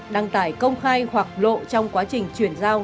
đăng tải công khai hoặc lộ trong quá trình chuyển giao